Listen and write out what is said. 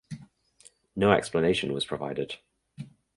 No explanation was provided.